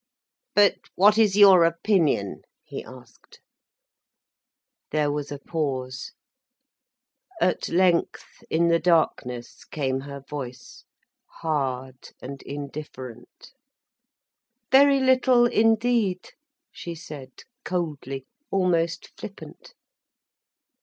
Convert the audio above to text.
"But what is your opinion?" he asked. There was a pause. At length, in the darkness, came her voice, hard and indifferent: "Very little indeed," she said coldly, almost flippant.